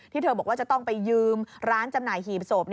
เธอบอกว่าจะต้องไปยืมร้านจำหน่ายหีบศพ